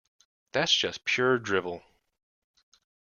That's just pure drivel!